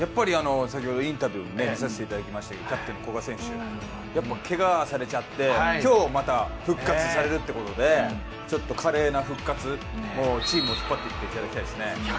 先ほどインタビューを見させていただきましたけどキャプテンの古賀選手、けがされちゃって、今日また復活されるということで華麗な復活チームを引っ張っていっていただきたいですね。